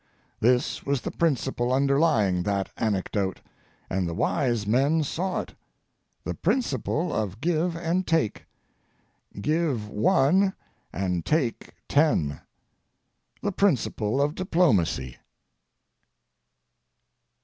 This was the principle underlying that anecdote, and the wise men saw it; the principle of give and take—give one and take ten—the principle of diplomacy.